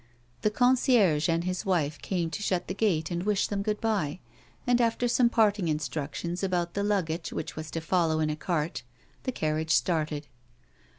The concierge and his wife came to shut the gate and wish them good bye, and after some parting instructions about the luggage which was to follow in a cart, the carriage started.